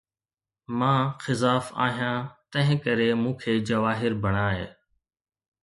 مان خزاف آهيان، تنهن ڪري مون کي جواهر بڻاءِ